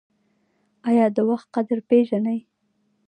ایا د وخت قدر پیژنئ؟